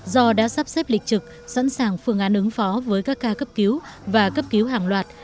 do đã sắp xếp lịch trực sẵn sàng phương án ứng phó với các ca cấp cứu và cấp cứu hàng loạt